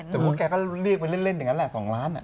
แต่ว่าแกก็เรียกไปเล่นอย่างนั้นแหละ๒ล้าน